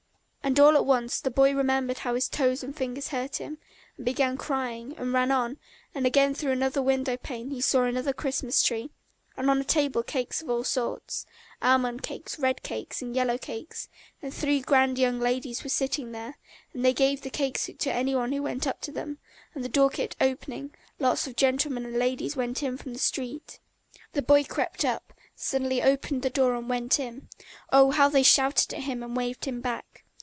And all at once the boy remembered how his toes and fingers hurt him, and began crying, and ran on; and again through another window pane he saw another Christmas tree, and on a table cakes of all sorts almond cakes, red cakes and yellow cakes, and three grand young ladies were sitting there, and they gave the cakes to any one who went up to them, and the door kept opening, lots of gentlemen and ladies went in from the street. The boy crept up, suddenly opened the door and went in. Oh, how they shouted at him and waved him back!